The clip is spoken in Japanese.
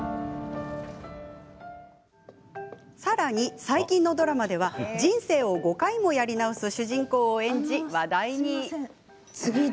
さらに、最近のドラマでは人生を５回もやり直す主人公を演じ、話題に。